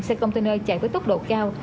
xe container chạy với tốc độ cao